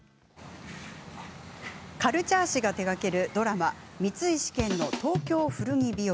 カルチャー誌が手がけるドラマ「光石研の東京古着日和」。